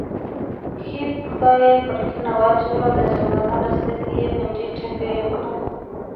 ښي پښه یې پر کیڼه واچوله، د زنګانه له سترګې یې پنجې چاپېره کړې.